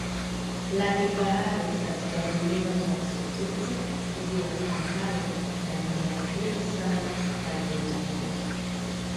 la kifahari katika vilima vya Sekuku jiji la Kampala na nyumba nzuri sana aliyoinunua